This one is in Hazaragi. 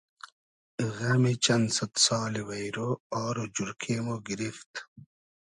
غئمی چئن سئد سالی وݷرۉ آر و جورکې مۉ گیریفت